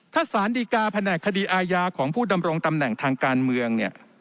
ถ้าสารดีกาแผนกคดีอาญาของผู้ดำรงตำแหน่งทางการเมืองเนี่ย